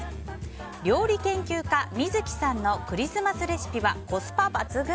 料理研究家Ｍｉｚｕｋｉさんのクリスマスレシピはコスパ抜群！